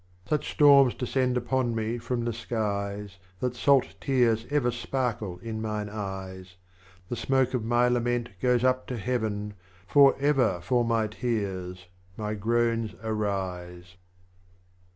46. Such Storms descend upon me from the Skies, That salt Tears ever sparkle in mine Eyes ; The Smoke of my Lament goes up to Heaven, For ever fall my Tears, my Groans arise.